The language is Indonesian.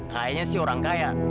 kayaknya sih orang kaya